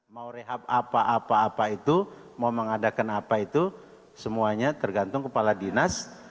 mau rehab apa apa apa itu mau mengadakan apa itu semuanya tergantung kepala dinas